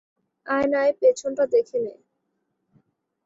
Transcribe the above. আয়নায় পেছনটা দেখে নে।